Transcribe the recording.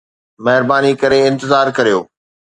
مهرباني ڪري انتظار ڪريو